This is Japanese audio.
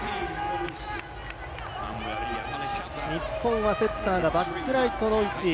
日本はセッターがバックライトの位置。